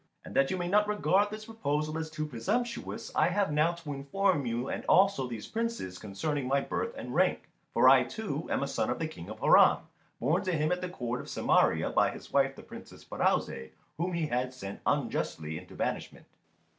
And that you may not regard this proposal as too presumptuous, I have now to inform you, and also these Princes, concerning my birth and rank. For I, too, am a son of the King of Harran, born to him at the court of Samaria by his wife the Princess Pirouzè, whom he had sent unjustly into banishment."